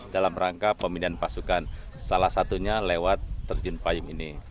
dalam rangka pemilihan pasukan salah satunya lewat terjun payung ini